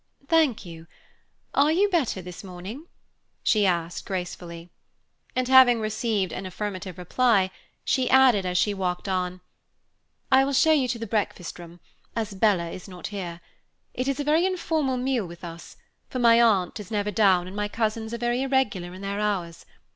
"Thank you. Are you better, this morning?" she said, graciously. And having received an affirmative reply, she added, as she walked on, "I will show you to the breakfast room, as Bella is not here. It is a very informal meal with us, for my aunt is never down and my cousins are very irregular in their hours.